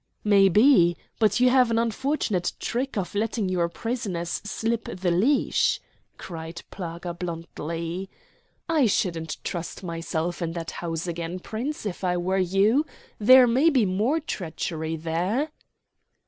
"Maybe, but you have an unfortunate trick of letting your prisoners slip the leash," cried Praga bluntly. "I shouldn't trust myself in that house again, Prince, if I were you. There may be more treachery there."